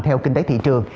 theo kinh tế thị trường